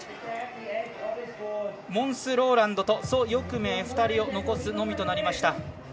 モンス・ローランドと蘇翊鳴２人を残すのみとなりました。